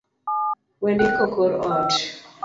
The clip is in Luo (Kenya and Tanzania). Wendiko kor ot